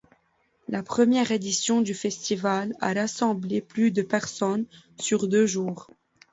La première édition du festival a rassemblé plus de personnes sur deux jours.